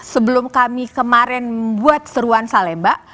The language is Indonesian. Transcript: sebelum kami kemarin membuat seruan salemba